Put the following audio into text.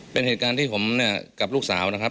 เป็นเหตุการณ์ที่ผมเนี่ยกับลูกสาวนะครับ